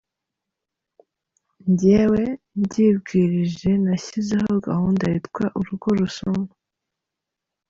Njyewe mbyibwirije nashyizeho gahunda yitwa ‘urugo rusoma’.